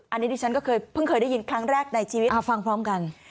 อันนี้ดิฉันก็เคยเพิ่งเคยได้ยินครั้งแรกในชีวิตฟังพร้อมกัน